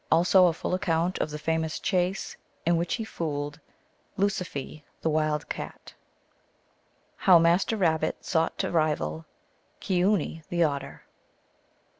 ALSO A FULL ACCOUNT OF THE FAMOUS CHASE, IN WHICH HE FOOLED LUSIFEE, THE WILD CAT. 1 I. How Master Rabbit sought to rival Keeoony, the Otter.